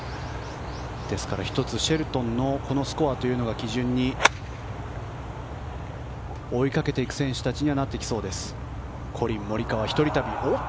１つシェルトンのこのスコアが基準に追いかけていく選手たちになってきそうです。